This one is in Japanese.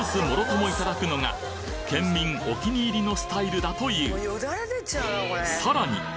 もろとも頂くのが県民お気に入りのスタイルだというさらに！